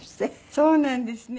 そうなんですね。